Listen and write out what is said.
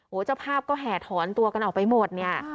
เจ้าภาพก็แห่ถอนตัวกันออกไปหมดเนี่ย